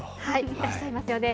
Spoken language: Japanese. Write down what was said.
いらっしゃいますよね。